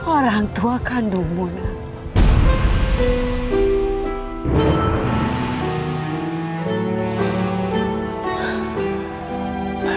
orang tua kandungmu nak